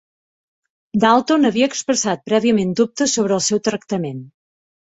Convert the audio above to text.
Dalton havia expressat prèviament dubtes sobre el seu tractament.